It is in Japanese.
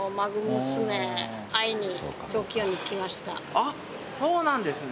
あっそうなんですね。